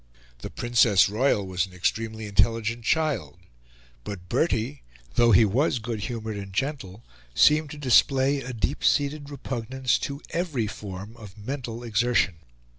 The Princess Royal was an extremely intelligent child; but Bertie, though he was good humoured and gentle, seemed to display a deep seated repugnance to every form of mental exertion.